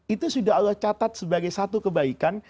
itu sudah allah catat sebagai satu kebaikan